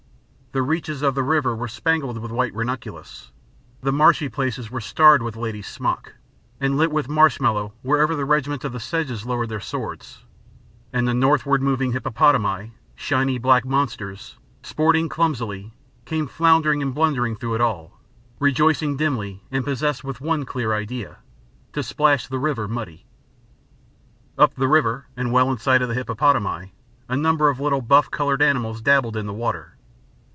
The reaches of the river were spangled with white ranunculus, the marshy places were starred with lady's smock and lit with marsh mallow wherever the regiments of the sedges lowered their swords, and the northward moving hippopotami, shiny black monsters, sporting clumsily, came floundering and blundering through it all, rejoicing dimly and possessed with one clear idea, to splash the river muddy. Up the river and well in sight of the hippopotami, a number of little buff coloured animals dabbled in the water.